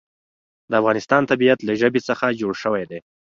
د افغانستان طبیعت له ژبې څخه جوړ شوی دی.